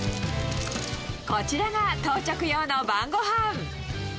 こちらが当直用の晩ごはん。